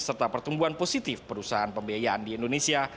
serta pertumbuhan positif perusahaan pembiayaan di indonesia